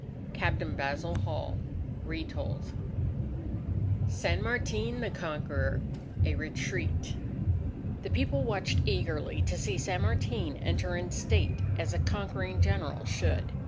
Captain Basil Hall (Retold) SAN MARTIN THE CONQUEROR A Retreat The people watched eagerly to see San Martin enter in state as a conquering general should.